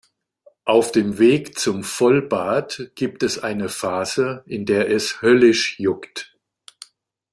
Auf dem Weg zum Vollbart gibt es eine Phase, in der es höllisch juckt.